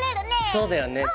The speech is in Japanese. そうだよね。